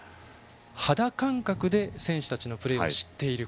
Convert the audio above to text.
肌感覚で選手たちのプレーを知っている。